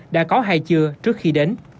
đã có hay chưa trước khi đến